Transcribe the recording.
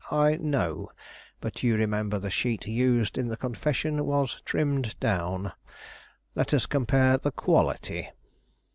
I know; but you remember the sheet used in the confession was trimmed down. Let us compare the quality."